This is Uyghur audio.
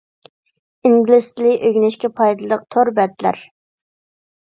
ئىنگلىز تىلى ئۆگىنىشكە پايدىلىق تور بەتلەر.